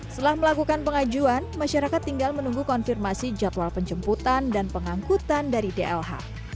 setelah melakukan pengajuan masyarakat tinggal menunggu konfirmasi jadwal penjemputan dan pengangkutan dari dlh